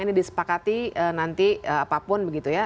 ini disepakati nanti apapun begitu ya